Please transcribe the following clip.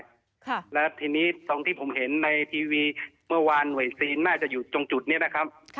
ค่ะแล้วทีนี้ตรงที่ผมเห็นในทีวีเมื่อวานหน่วยซีนน่าจะอยู่ตรงจุดนี้นะครับค่ะ